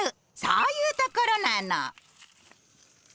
そういうところなの。